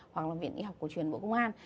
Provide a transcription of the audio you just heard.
hoặc là viện y học cổ truyền bộ công an